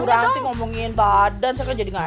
bu lanti ngomongin badan saya kan jadi ga enak